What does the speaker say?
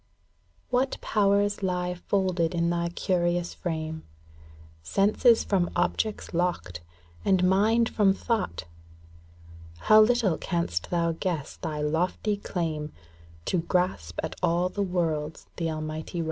What powers lie folded in thy curious frame, ŌĆö Senses from objects locked, and mind from thought ! How little canst thou guess thy lofty claim To grasp at all the worlds the Almighty wrought !